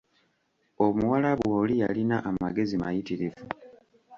Omuwarabu oli yalina amagezi mayitirivu